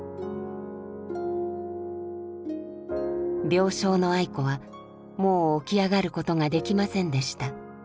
病床の愛子はもう起き上がることができませんでした。